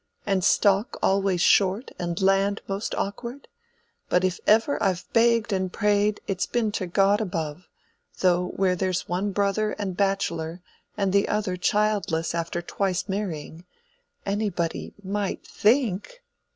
And stock always short, and land most awkward. But if ever I've begged and prayed; it's been to God above; though where there's one brother a bachelor and the other childless after twice marrying—anybody might think!"